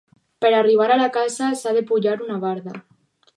Per arribar a la casa, s'ha de pujar una barda.